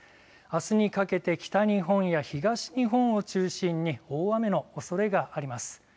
あすにかけて北日本や東日本を中心に大雨のおそれがあります。